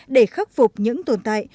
để khắc phục những tồn tại